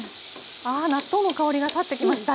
あ納豆の香りが立ってきましたね。